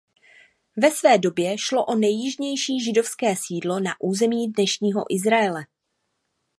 Ve své době šlo o nejjižnější židovské sídlo na území dnešního Izraele.